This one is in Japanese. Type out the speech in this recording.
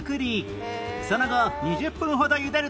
その後２０分ほど茹でると完成